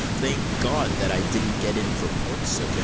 Thank God that I didn't get in for Portsoken!